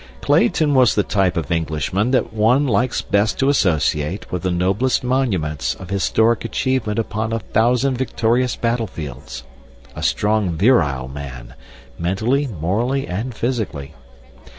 Clayton was the type of Englishman that one likes best to associate with the noblest monuments of historic achievement upon a thousand victorious battlefields—a strong, virile man—mentally, morally, and physically.